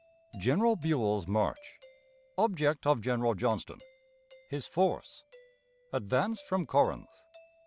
General Buell's March. Object of General Johnston. His Force. Advance from Corinth.